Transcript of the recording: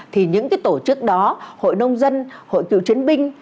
thì những tổ chức đó hội nông dân hội cựu chiến binh